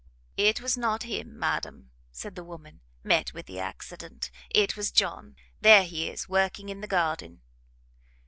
"It was not him, madam," said the woman, "met with the accident, it was John; there he is, working in the garden."